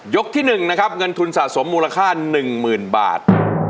ยกที่หนึ่งนะครับเงินทุนสะสมมูลค่าหนึ่งหมื่นบาท